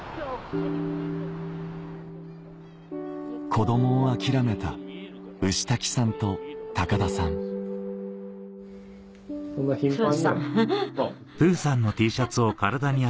子供を諦めた牛滝さんと高田さんプーさんハハハ。